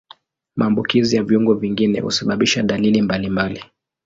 Maambukizi ya viungo vingine husababisha dalili mbalimbali.